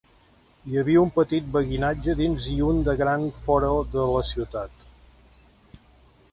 Hi havia un petit beguinatge dins i un de gran fora de la ciutat.